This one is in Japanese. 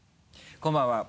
こんばんは。